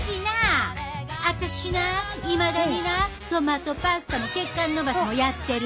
あたしないまだになトマトパスタも血管伸ばしもやってる。